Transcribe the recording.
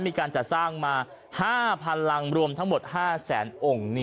มีการจัดสร้างมา๕๐๐๐รังรวมทั้งหมด๕แสนองค์